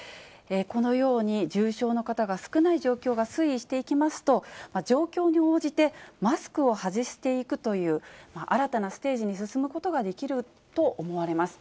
このように、重症の方が少ない状況が推移していきますと、状況に応じてマスクを外していくという、新たなステージに進むことができると思われます。